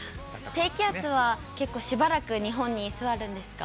低気圧は結構しばらく日本に居座るんですか？